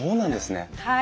はい。